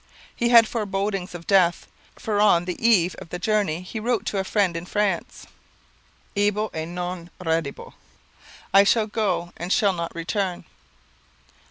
He had forebodings of death, for on the eve of the journey he wrote to a friend in France: Ibo et non redibo, I shall go and shall not return.